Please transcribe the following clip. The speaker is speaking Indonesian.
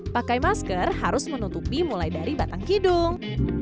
pakai masker harus menutupi mulai dari batang hidung